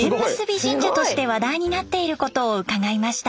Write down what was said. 神社として話題になっていることを伺いました。